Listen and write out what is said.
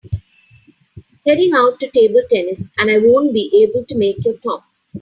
Heading out to table tennis and I won’t be able to make your talk.